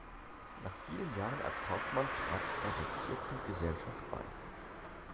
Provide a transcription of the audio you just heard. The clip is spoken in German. Nach vielen Jahren als Kaufmann trat er der Zirkelgesellschaft bei.